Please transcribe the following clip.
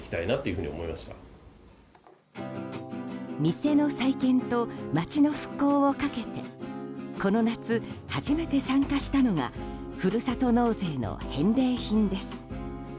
店の再建と街の復興をかけてこの夏、初めて参加したのがふるさと納税の返礼品です。